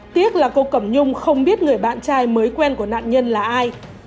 tiếc là cô cẩm nhung không biết người bạn trai mới quen của nạn nhân là ai